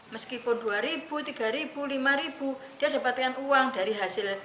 meskipun dua ribu tiga ribu lima ribu dia dapatkan uang dari hasil